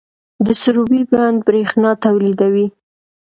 د سروبي بند بریښنا تولیدوي